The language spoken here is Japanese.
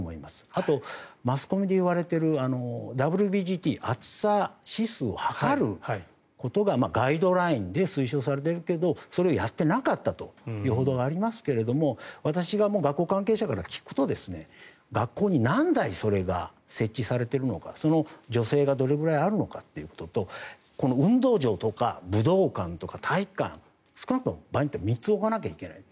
あと、マスコミで言われているＷＢＧＴ・暑さ指数を測ることがガイドラインで推奨されているけれどそれをやっていなかったという報道がありますが私が学校関係者から聞くと学校に何台それが設置されているのかその助成が、どれくらいあるのかっていうことと運動場とか武道館とか体育館少なくとも３つ置かなきゃいけない。